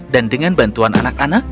dan dengan bantuan anak anak